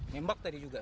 ngembak tadi juga